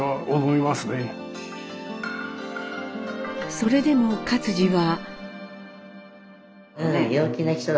それでも克爾は。